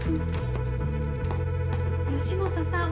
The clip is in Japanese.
吉本さん